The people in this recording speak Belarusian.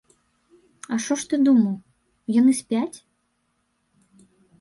А што ж ты думаў, яны спяць?